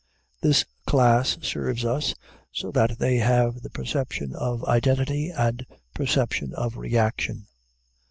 This class serve us, so that they have the perception of identity and the perception of reaction.